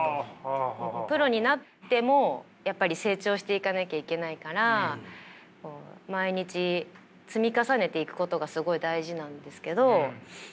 プロになってもやっぱり成長していかなきゃいけないから毎日積み重ねていくことがすごい大事なんですけどそれが足りないとか。